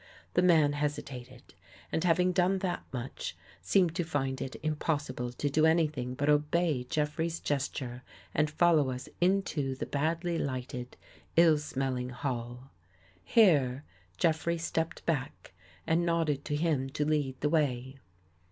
The man hesitated, and having done that much, seemed to find it impossible to do anything but obey Jeffrey's gesture and follow us into the badly lighted, ill smelling hall. Here Jeffrey stepped back and nodded to him to lead the way.